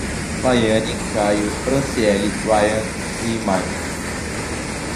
Laiane, Kaio, Francieli, Ryan e Maycon